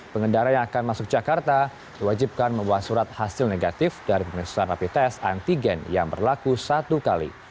pengendara yang akan masuk jakarta diwajibkan membawa surat hasil negatif dari pemeriksaan rapi tes antigen yang berlaku satu kali